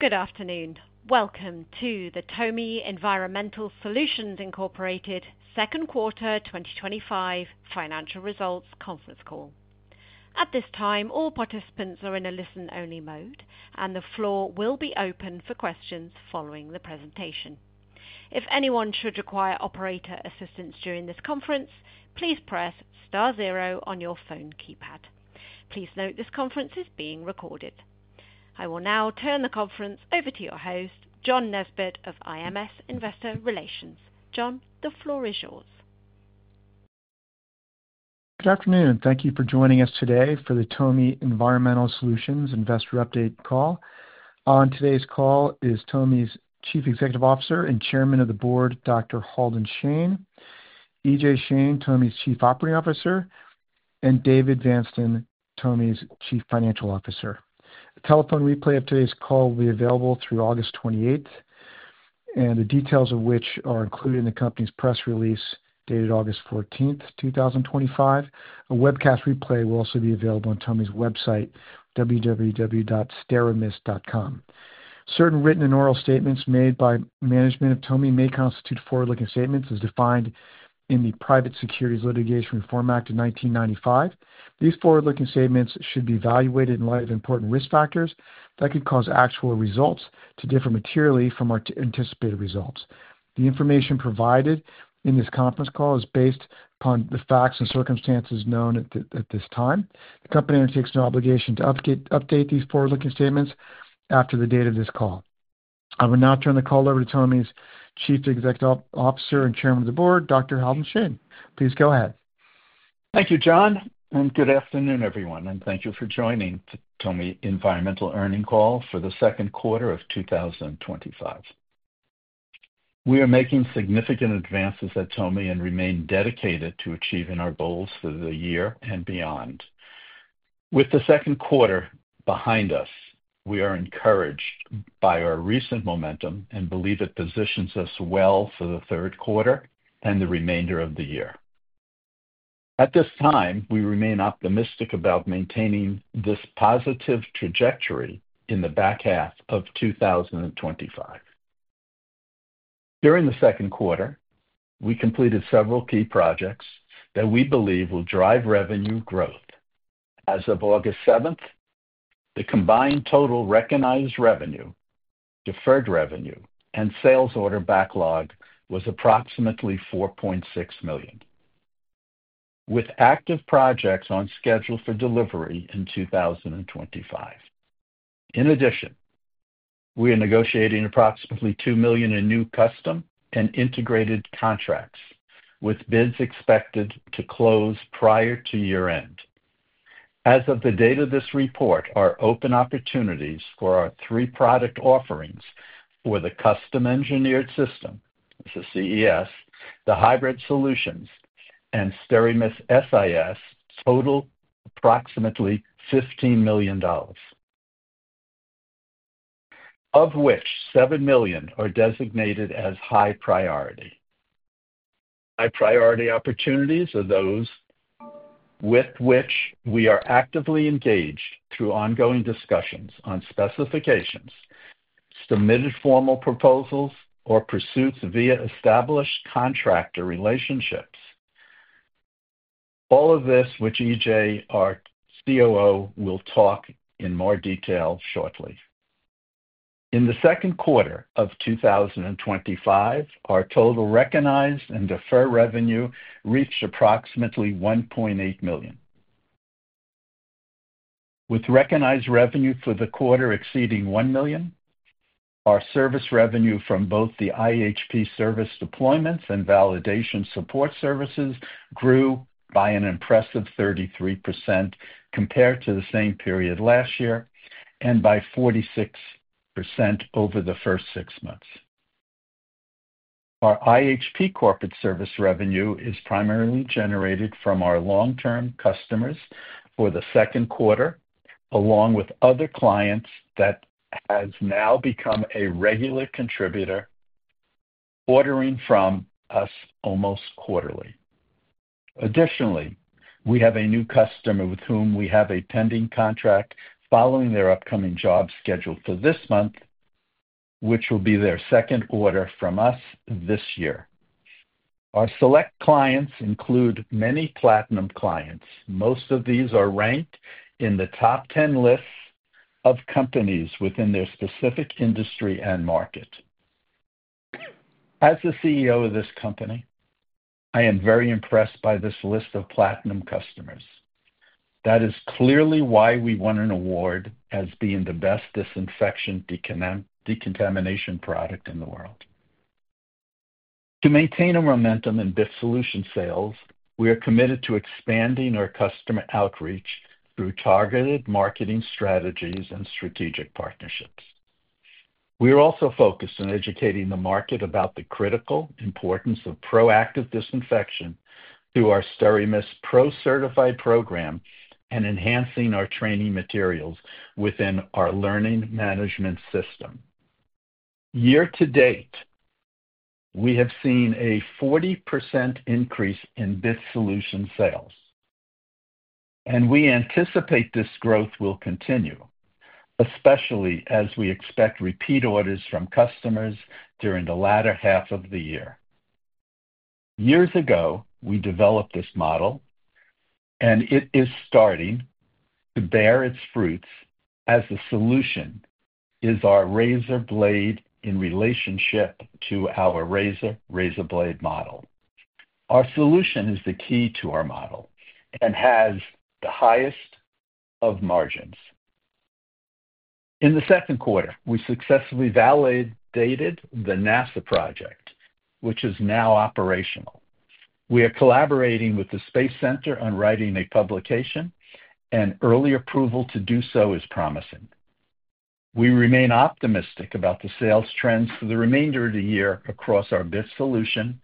Good afternoon. Welcome to the TOMI Environmental Solutions, Inc. Second Quarter 2025 Financial Results Conference Call. At this time, all participants are in a listen-only mode, and the floor will be open for questions following the presentation. If anyone should require operator assistance during this conference, please press *0 on your phone keypad. Please note this conference is being recorded. I will now turn the conference over to your host, John Nesbett of IMS Investor Relations. John, the floor is yours. Good afternoon. Thank you for joining us today for the TOMI Environmental Solutions Investor Update Call. On today's call is TOMI's Chief Executive Officer and Chairman of the Board, Dr. Halden Shane, E.J. Shane, TOMI's Chief Operating Officer, and David Vanston, TOMI's Chief Financial Officer. A telephone replay of today's call will be available through August 28th, the details of which are included in the company's press release dated August 14th, 2025. A webcast replay will also be available on TOMI's website, www.steramist.com. Certain written and oral statements made by management of TOMI may constitute forward-looking statements as defined in the Private Securities Litigation Reform Act of 1995. These forward-looking statements should be evaluated in light of important risk factors that could cause actual results to differ materially from our anticipated results. The information provided in this conference call is based upon the facts and circumstances known at this time. The company undertakes no obligation to update these forward-looking statements after the date of this call. I will now turn the call over to TOMI's Chief Executive Officer and Chairman of the Board, Dr. Halden Shane. Please go ahead. Thank you, John, and good afternoon, everyone, and thank you for joining the TOMI Environmental Solutions Earning Call for the second quarter of 2025. We are making significant advances at TOMI and remain dedicated to achieving our goals for the year and beyond. With the second quarter behind us, we are encouraged by our recent momentum and believe it positions us well for the third quarter and the remainder of the year. At this time, we remain optimistic about maintaining this positive trajectory in the back half of 2025. During the second quarter, we completed several key projects that we believe will drive revenue growth. As of August 7th, the combined total recognized revenue, deferred revenue, and sales order backlog was approximately $4.6 million, with active projects on schedule for delivery in 2025. In addition, we are negotiating approximately $2 million in new custom and integrated contracts, with bids expected to close prior to year-end. As of the date of this report, our open opportunities for our three product offerings were the Custom Engineered Systems, the CES, the hybrid solutions, and SteraMist SIS total approximately $15 million, of which $7 million are designated as high priority. High priority opportunities are those with which we are actively engaged through ongoing discussions on specifications, submitted formal proposals, or pursuits via established contractor relationships. All of this, which E.J., our COO, will talk in more detail shortly. In the second quarter of 2025, our total recognized and deferred revenue reached approximately $1.8 million, with recognized revenue for the quarter exceeding $1 million. Our service revenue from both the iHP Corporate Service deployments and validation support services grew by an impressive 33% compared to the same period last year and by 46% over the first six months. Our iHP Corporate Service revenue is primarily generated from our long-term customers for the second quarter, along with other clients that have now become a regular contributor ordering from us almost quarterly. Additionally, we have a new customer with whom we have a pending contract following their upcoming job scheduled for this month, which will be their second order from us this year. Our select clients include many platinum clients. Most of these are ranked in the top 10 lists of companies within their specific industry and market. As the CEO of this company, I am very impressed by this list of platinum customers. That is clearly why we won an award as being the best disinfection decontamination product in the world. To maintain momentum in BIT solution sales, we are committed to expanding our customer outreach through targeted marketing strategies and strategic partnerships. We are also focused on educating the market about the critical importance of proactive disinfection through our SteraMist Pro Certified Program and enhancing our training materials within our learning management system. Year to date, we have seen a 40% increase in BIT solution sales, and we anticipate this growth will continue, especially as we expect repeat orders from customers during the latter half of the year. Years ago, we developed this model, and it is starting to bear its fruits as the solution is our razor blade in relationship to our razor razor blade model. Our solution is the key to our model and has the highest of margins. In the second quarter, we successfully validated the NASA project, which is now operational. We are collaborating with the Space Center on writing a publication, and early approval to do so is promising. We remain optimistic about the sales trends for the remainder of the year across our BIT solution,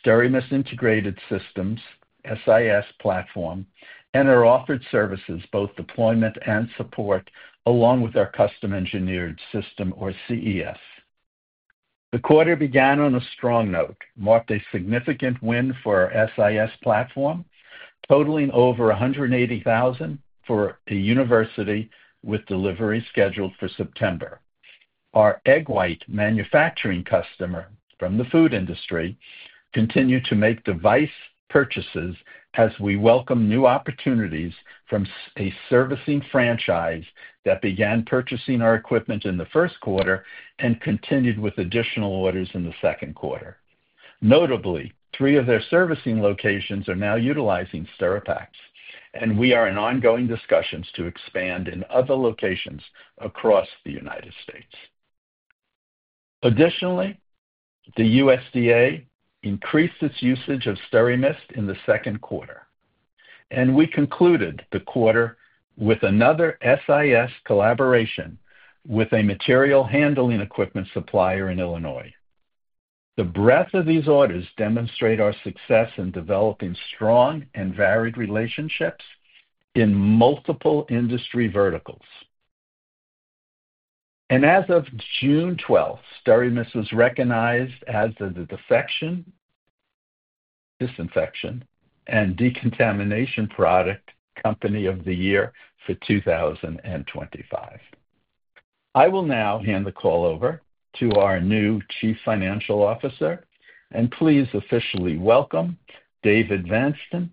SteraMist Integrated System SIS platform, and our offered services, both deployment and support, along with our Custom Engineered Systems, or CES. The quarter began on a strong note, marked a significant win for our SIS platform, totaling over $180,000 for a university with delivery scheduled for September. Our egg white manufacturing customer from the food industry continued to make device purchases as we welcome new opportunities from a servicing franchise that began purchasing our equipment in the first quarter and continued with additional orders in the second quarter. Notably, three of their servicing locations are now utilizing SteraMist, and we are in ongoing discussions to expand in other locations across the United States. Additionally, the USDA increased its usage of SteraMist in the second quarter, and we concluded the quarter with another SIS collaboration with a material handling equipment supplier in Illinois. The breadth of these orders demonstrates our success in developing strong and varied relationships in multiple industry verticals. As of June 12, SteraMist was recognized as the disinfection, disinfection, and decontamination product company of the year for 2025. I will now hand the call over to our new Chief Financial Officer, and please officially welcome David Vanston,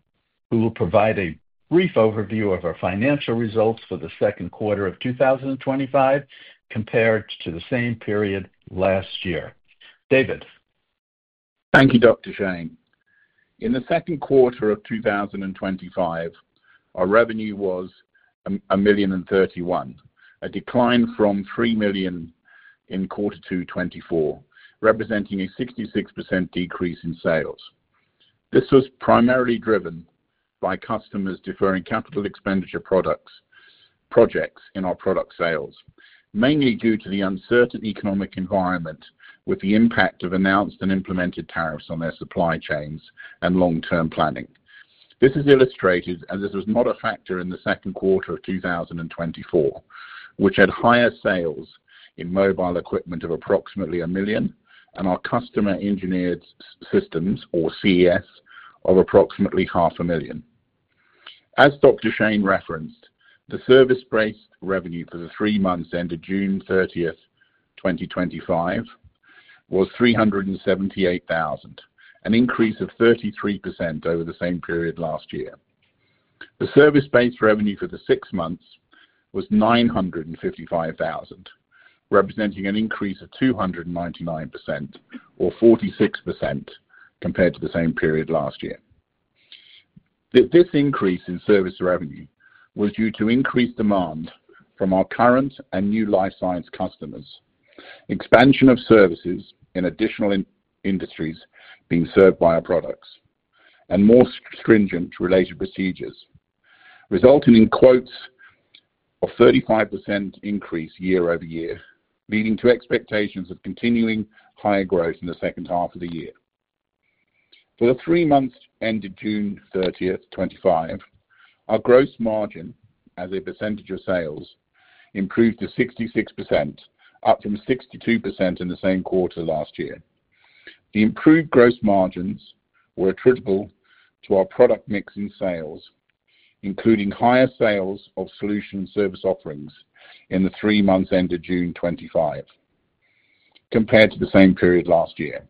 who will provide a brief overview of our financial results for the second quarter of 2025 compared to the same period last year. David. Thank you, Dr. Shane. In the second quarter of 2025, our revenue was $1.031, a decline from $3 million in the second quarter of 2024, representing a 66% decrease in sales. This was primarily driven by customers deferring capital expenditure product projects in our product sales, mainly due to the uncertain economic environment with the impact of announced and implemented tariffs on their supply chains and long-term planning. This is illustrated as this was not a factor in the second quarter of 2024, which had higher sales in mobile equipment of approximately $1 million and our Custom Engineered Systems, or CES, of approximately $500,000. As Dr. Shane referenced, the service-based revenue for the three months ended June 30th, 2025, was $378,000, an increase of 33% over the same period last year. The service-based revenue for the six months was $955,000, representing an increase of 299% or 46% compared to the same period last year. This increase in service revenue was due to increased demand from our current and new life sciences customers, expansion of services in additional industries being served by our products, and more stringent related procedures, resulting in quotes of a 35% increase year over year, leading to expectations of continuing higher growth in the second half of the year. For the three months ended June 30th, 2025, our gross margin, as a percentage of sales, improved to 66%, up from 62% in the same quarter last year. The improved gross margins were attributable to our product mix in sales, including higher sales of solution service offerings in the three months ended June 2025, compared to the same period last year.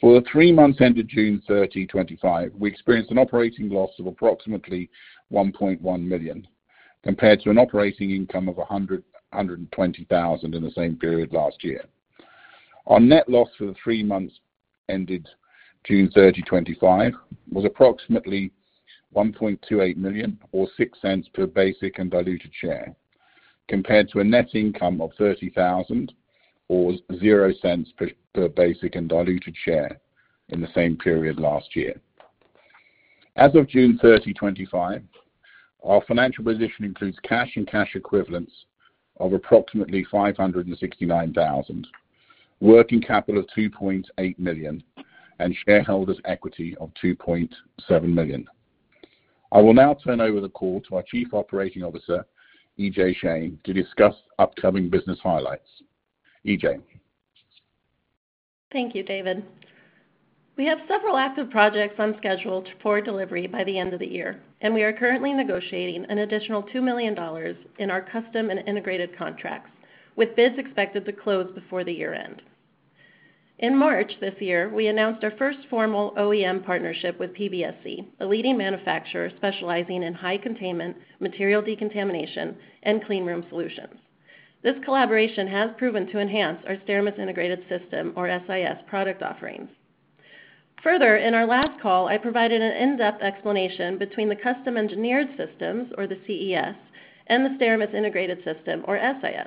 For the three months ended June 30, 2025, we experienced an operating loss of approximately $1.1 million, compared to an operating income of $120,000 in the same period last year. Our net loss for the three months ended June 30, 2025, was approximately $1.28 million or $0.06 per basic and diluted share, compared to a net income of $30,000 or $0.0 per basic and diluted share in the same period last year. As of June 30, 2025, our financial position includes cash and cash equivalents of approximately $569,000, working capital of $3.8 million, and shareholders' equity of $2.7 million. I will now turn over the call to our Chief Operating Officer, E.J. Shane, to discuss upcoming business highlights. E.J. Thank you, David. We have several active projects on schedule for delivery by the end of the year, and we are currently negotiating an additional $2 million in our custom and integrated contracts, with bids expected to close before the year end. In March this year, we announced our first formal OEM partnership with PBSC, a leading manufacturer specializing in high containment, material decontamination, and cleanroom solutions. This collaboration has proven to enhance our SteraMist Integrated System, or SIS, product offerings. Further, in our last call, I provided an in-depth explanation between the Custom Engineered Systems, or the CES, and the SteraMist Integrated System, or SIS.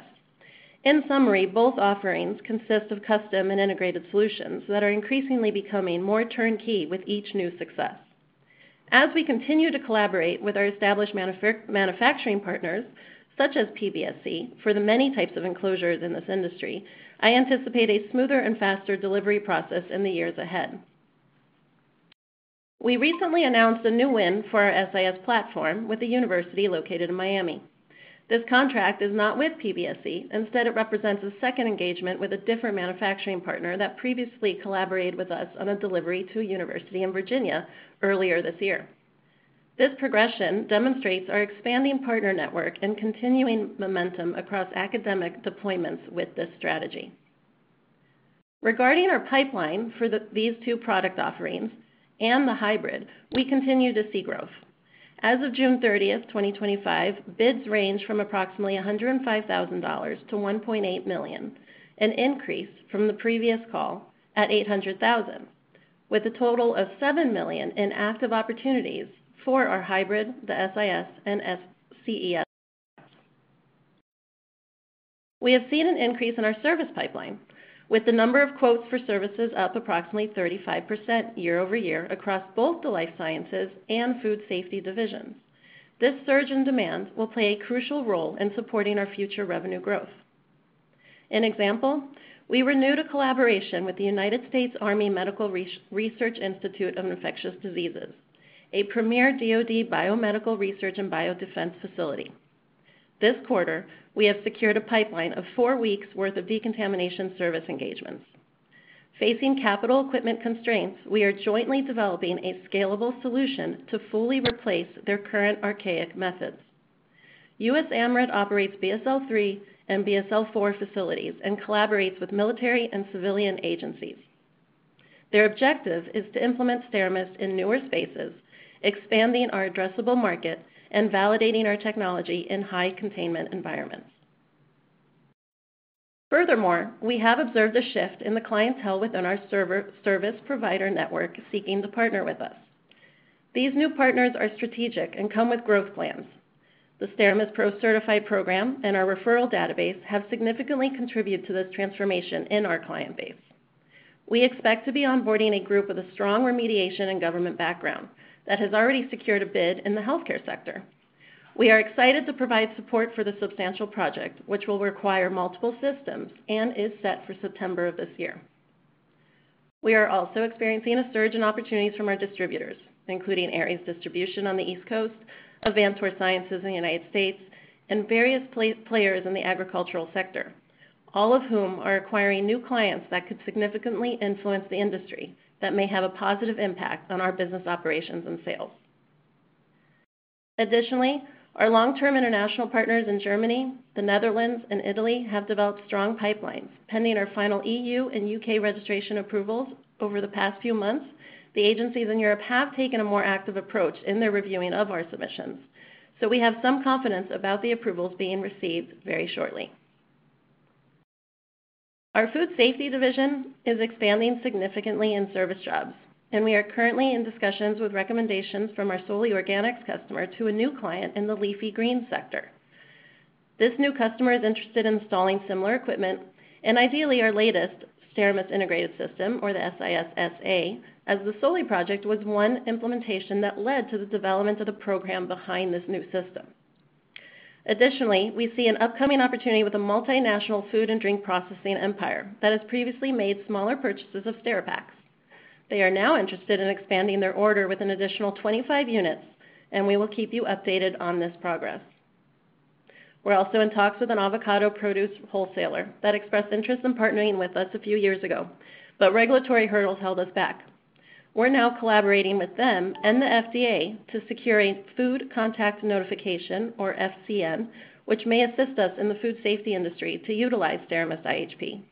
In summary, both offerings consist of custom and integrated solutions that are increasingly becoming more turnkey with each new success. As we continue to collaborate with our established manufacturing partners, such as PBSC, for the many types of enclosures in this industry, I anticipate a smoother and faster delivery process in the years ahead. We recently announced a new win for our SIS platform with a university located in Miami. This contract is not with PBSC; instead, it represents a second engagement with a different manufacturing partner that previously collaborated with us on a delivery to a university in Virginia earlier this year. This progression demonstrates our expanding partner network and continuing momentum across academic deployments with this strategy. Regarding our pipeline for these two product offerings and the hybrid, we continue to see growth. As of June 30, 2025, bids range from approximately $105,000-$1.8 million, an increase from the previous call at $800,000, with a total of $7 million in active opportunities for our hybrid, the SIS, and CES. We have seen an increase in our service pipeline, with the number of quotes for services up approximately 35% year-over-year across both the life sciences and food safety divisions. This surge in demand will play a crucial role in supporting our future revenue growth. For example, we renewed a collaboration with the United States Army Medical Research Institute of Infectious Diseases, a premier DoD biomedical research and biodefense facility. This quarter, we have secured a pipeline of four weeks' worth of decontamination service engagements. Facing capital equipment constraints, we are jointly developing a scalable solution to fully replace their current archaic methods. U.S. AMRIID operates BSL-3 and BSL-4 facilities and collaborates with military and civilian agencies. Their objective is to implement SteraMist in newer spaces, expanding our addressable market, and validating our technology in high containment environments. Furthermore, we have observed a shift in the clientele within our service provider network seeking to partner with us. These new partners are strategic and come with growth plans. The SteraMist Pro Certified Program and our referral database have significantly contributed to this transformation in our client base. We expect to be onboarding a group with a strong remediation and government background that has already secured a bid in the healthcare sector. We are excited to provide support for the substantial project, which will require multiple systems and is set for September of this year. We are also experiencing a surge in opportunities from our distributors, including Aeries Distribution on the East Coast, Avantor Sciences in the United States, and various players in the agricultural sector, all of whom are acquiring new clients that could significantly influence the industry that may have a positive impact on our business operations and sales. Additionally, our long-term international partners in Germany, the Netherlands, and Italy have developed strong pipelines. Pending our final EU and UK registration approvals over the past few months, the agencies in Europe have taken a more active approach in their reviewing of our submissions, so we have some confidence about the approvals being received very shortly. Our food safety division is expanding significantly in service jobs, and we are currently in discussions with recommendations from our Soly Organics customer to a new client in the leafy green sector. This new customer is interested in installing similar equipment and ideally our latest SteraMist Integrated System, or the SIS-SA, as the Soly project was one implementation that led to the development of the program behind this new system. Additionally, we see an upcoming opportunity with a multinational food and drink processing empire that has previously made smaller purchases of SteraPacs. They are now interested in expanding their order with an additional 25 units, and we will keep you updated on this progress. We're also in talks with an avocado produce wholesaler that expressed interest in partnering with us a few years ago, but regulatory hurdles held us back. We're now collaborating with them and the FDA to secure a Food Contact Notification, or FCN, which may assist us in the food safety industry to utilize SteraMist iHP.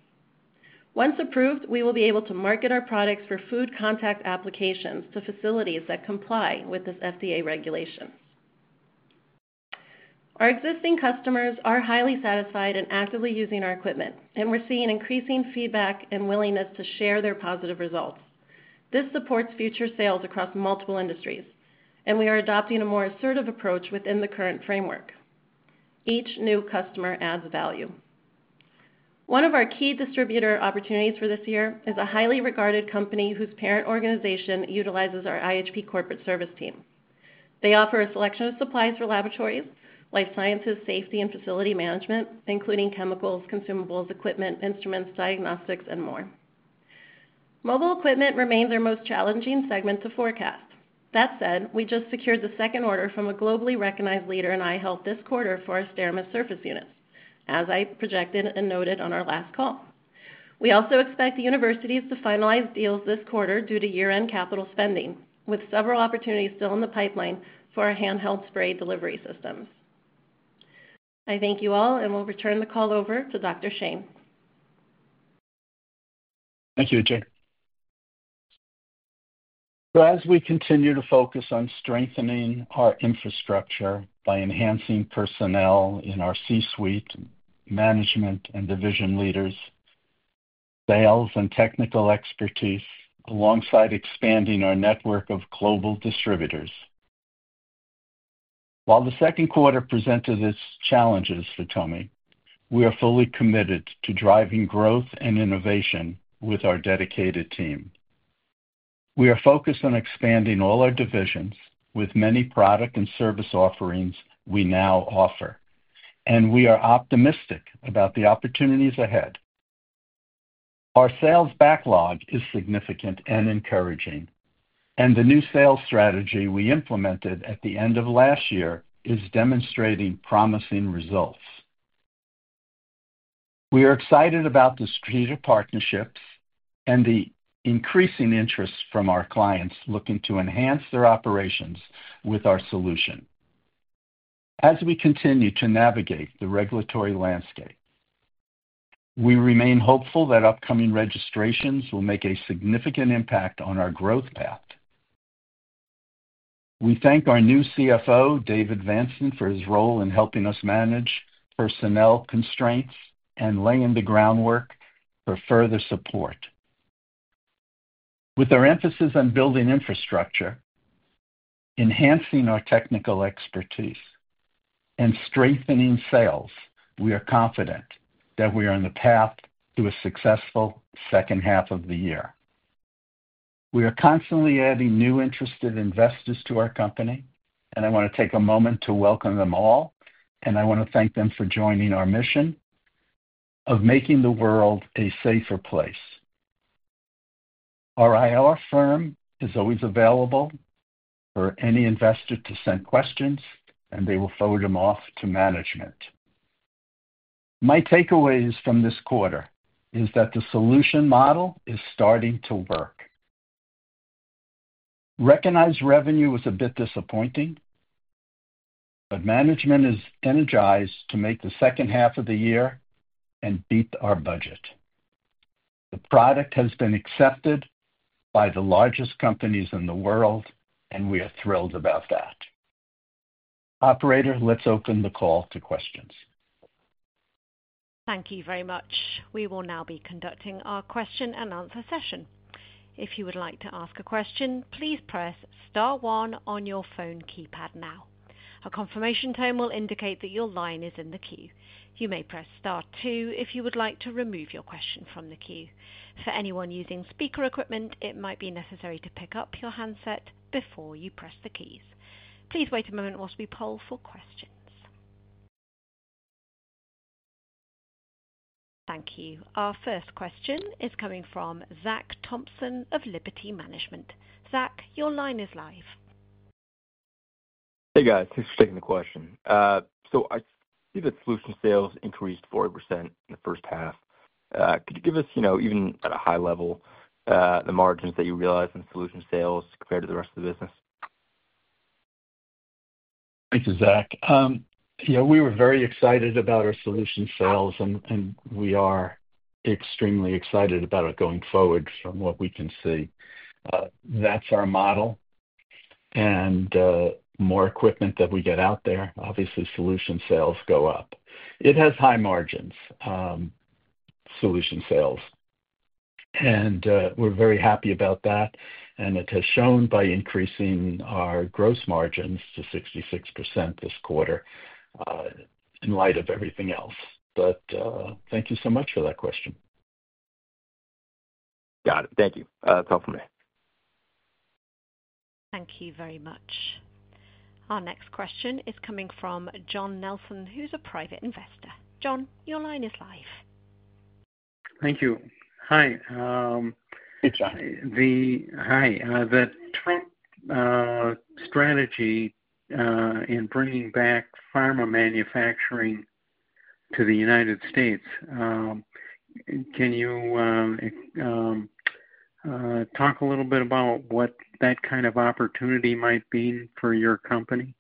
Once approved, we will be able to market our products for food contact applications to facilities that comply with this FDA regulation. Our existing customers are highly satisfied and actively using our equipment, and we're seeing increasing feedback and willingness to share their positive results. This supports future sales across multiple industries, and we are adopting a more assertive approach within the current framework. Each new customer adds value. One of our key distributor opportunities for this year is a highly regarded company whose parent organization utilizes our iHP Corporate Service team. They offer a selection of supplies for laboratories, life sciences, safety, and facility management, including chemicals, consumables, equipment, instruments, diagnostics, and more. Mobile equipment remains our most challenging segment to forecast. That said, we just secured the second order from a globally recognized leader, and I held this quarter for our SteraMist surface units, as I projected and noted on our last call. We also expect universities to finalize deals this quarter due to year-end capital spending, with several opportunities still in the pipeline for our handheld spray delivery systems. I thank you all and will return the call over to Dr. Shane. Thank you, Shane. As we continue to focus on strengthening our infrastructure by enhancing personnel in our C-suite, management and division leaders, sales, and technical expertise, alongside expanding our network of global distributors, while the second quarter presented its challenges for TOMI, we are fully committed to driving growth and innovation with our dedicated team. We are focused on expanding all our divisions with many product and service offerings we now offer, and we are optimistic about the opportunities ahead. Our sales backlog is significant and encouraging, and the new sales strategy we implemented at the end of last year is demonstrating promising results. We are excited about the strategic partnerships and the increasing interest from our clients looking to enhance their operations with our solution. As we continue to navigate the regulatory landscape, we remain hopeful that upcoming registrations will make a significant impact on our growth path. We thank our new CFO, David Vanston, for his role in helping us manage personnel constraints and laying the groundwork for further support. With our emphasis on building infrastructure, enhancing our technical expertise, and strengthening sales, we are confident that we are on the path to a successful second half of the year. We are constantly adding new interested investors to our company, and I want to take a moment to welcome them all, and I want to thank them for joining our mission of making the world a safer place. Our IR firm is always available for any investor to send questions, and they will forward them off to management. My takeaways from this quarter are that the solution model is starting to work. Recognized revenue was a bit disappointing, but management is energized to make the second half of the year and beat our budget. The product has been accepted by the largest companies in the world, and we are thrilled about that. Operator, let's open the call to questions. Thank you very much. We will now be conducting our question and answer session. If you would like to ask a question, please press *1 on your phone keypad now. A confirmation tone will indicate that your line is in the queue. You may press *2 if you would like to remove your question from the queue. For anyone using speaker equipment, it might be necessary to pick up your handset before you press the keys. Please wait a moment while we poll for questions. Thank you. Our first question is coming from Zach Thompson of Liberty Management. Zach, your line is live. Hey, guys. Thanks for taking the question. I see that solution sales increased 40% in the first half. Could you give us, you know, even at a high level, the margins that you realized in solution sales compared to the rest of the business? Thank you, Zach. We were very excited about our solution sales, and we are extremely excited about it going forward from what we can see. That's our model, and the more equipment that we get out there, obviously solution sales go up. It has high margins, solution sales, and we're very happy about that, and it has shown by increasing our gross margins to 66% this quarter in light of everything else. Thank you so much for that question. Got it. Thank you. That's helpful. Thank you very much. Our next question is coming from John Nelson, who's a private investor. John, your line is live. Thank you. Hi. Hey, John. Hi. The strategy in bringing back Pharma manufacturing to the United States, can you talk a little bit about what that kind of opportunity might mean for your company?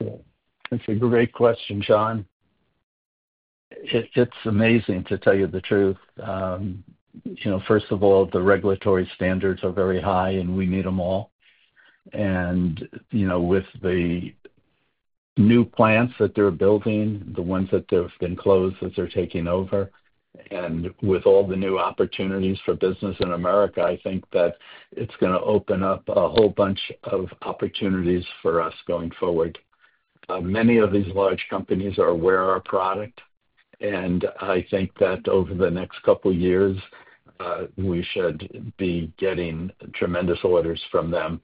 That's a great question, John. It's amazing, to tell you the truth. First of all, the regulatory standards are very high, and we need them all. With the new plants that they're building, the ones that have been closed as they're taking over, and with all the new opportunities for business in America, I think that it's going to open up a whole bunch of opportunities for us going forward. Many of these large companies are aware of our product, and I think that over the next couple of years, we should be getting tremendous orders from them.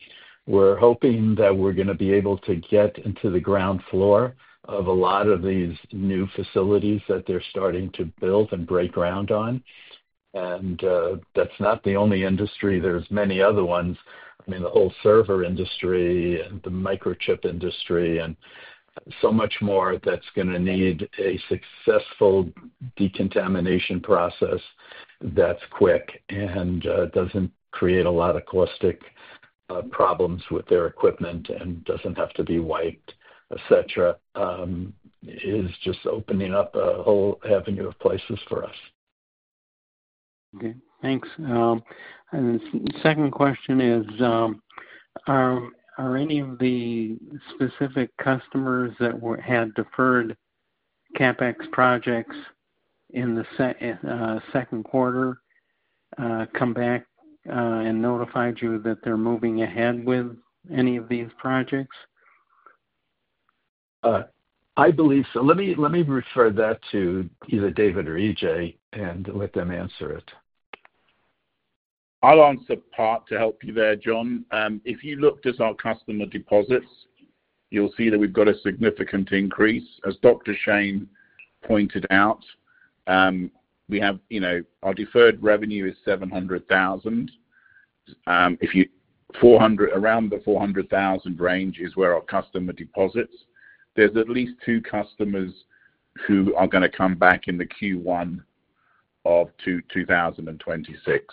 We're hoping that we're going to be able to get into the ground floor of a lot of these new facilities that they're starting to build and break ground on. That's not the only industry. There are many other ones. I mean, the whole server industry, the microchip industry, and so much more that's going to need a successful decontamination process that's quick and doesn't create a lot of caustic problems with their equipment and doesn't have to be wiped, etc. It's just opening up a whole avenue of places for us. Thank you. The second question is, are any of the specific customers that had deferred CapEx projects in the second quarter come back and notified you that they're moving ahead with any of these projects? I believe so. Let me refer that to either David or E.J. and let them answer it. I'll answer part to help you there, John. If you looked at our customer deposits, you'll see that we've got a significant increase. As Dr. Shane pointed out, our deferred revenue is $700,000. Around the $400,000 range is where our customer deposits are. There's at least two customers who are going to come back in the Q1 of 2026.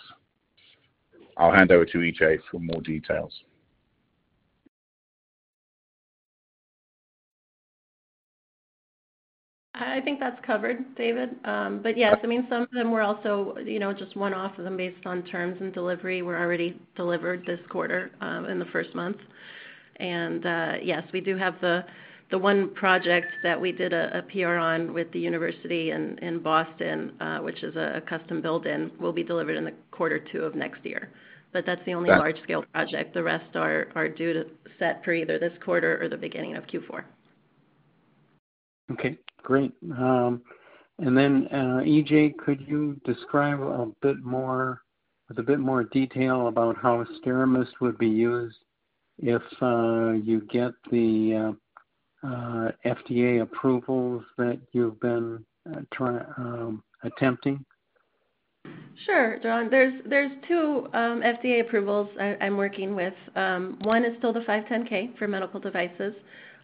I'll hand over to E.J. for more details. I think that's covered, David. Yes, some of them were also just one-off of them based on terms and delivery. We're already delivered this quarter in the first month. Yes, we do have the one project that we did a PR on with the university in Boston, which is a custom build-in, will be delivered in quarter two of next year. That's the only large-scale project. The rest are due to set for either this quarter or the beginning of Q4. Okay. Great. E.J., could you describe a bit more with a bit more detail about how SteraMist would be used if you get the FDA approvals that you've been attempting? Sure, John. There are two FDA approvals I'm working with. One is still the 510(k) for medical devices.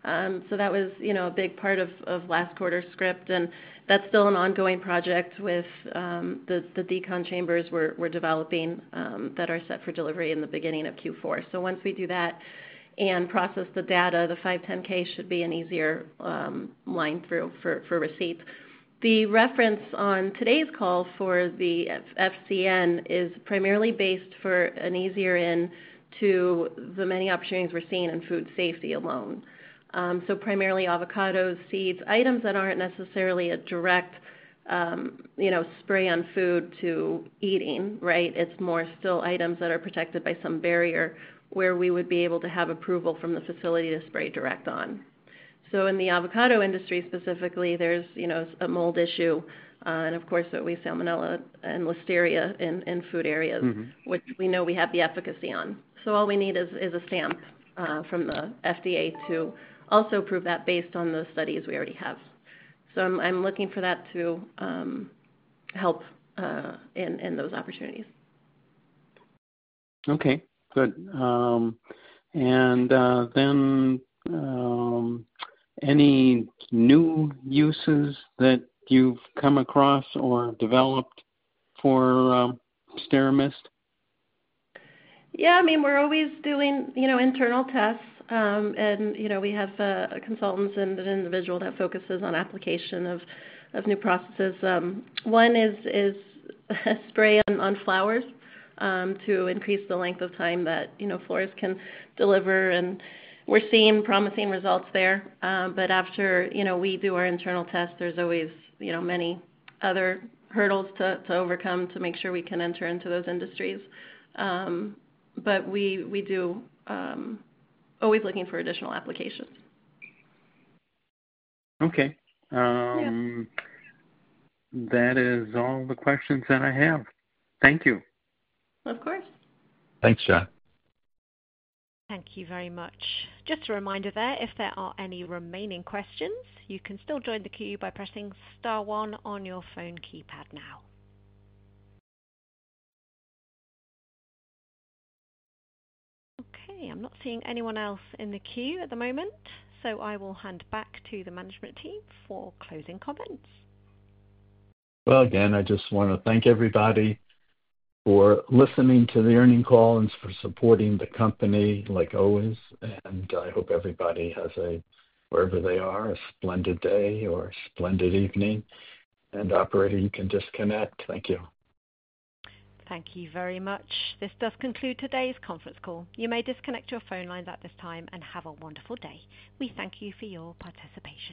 That was a big part of last quarter's script, and that's still an ongoing project with the decon chambers we're developing that are set for delivery in the beginning of Q4. Once we do that and process the data, the 510(k) should be an easier line through for receipt. The reference on today's call for the FCN is primarily based for an easier in to the many opportunities we're seeing in food safety alone. Primarily avocados, seeds, items that aren't necessarily a direct spray on food to eating, right? It's more still items that are protected by some barrier where we would be able to have approval from the facility to spray direct on. In the avocado industry specifically, there's a mold issue, and of course, certainly salmonella and listeria in food areas, which we know we have the efficacy on. All we need is a stamp from the FDA to also prove that based on the studies we already have. I'm looking for that to help in those opportunities. Okay. Good. Any new uses that you've come across or developed for SteraMist? Yeah. I mean, we're always doing internal tests, and we have consultants and an individual that focuses on application of new processes. One is a spray on flowers to increase the length of time that florists can deliver, and we're seeing promising results there. After we do our internal tests, there are always many other hurdles to overcome to make sure we can enter into those industries. We do always look for additional applications. Okay, that is all the questions that I have. Thank you. Of course. Thanks, John. Thank you very much. Just a reminder, if there are any remaining questions, you can still join the queue by pressing *1 on your phone keypad now. I'm not seeing anyone else in the queue at the moment, so I will hand back to the management team for closing comments. I just want to thank everybody for listening to the earnings call and for supporting the company like always. I hope everybody has a, wherever they are, a splendid day or a splendid evening. Operator, you can disconnect. Thank you. Thank you very much. This does conclude today's conference call. You may disconnect your phone lines at this time and have a wonderful day. We thank you for your participation.